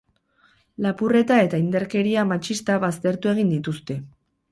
Lapurreta eta indarkeria matxista baztertu egin dituzte.